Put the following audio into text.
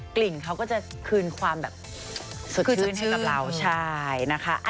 กลิ่นเขาก็จะคืนความสดชื่นให้กับเรา